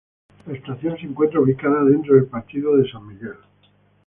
La estación se encuentra ubicada dentro del partido de San Miguel.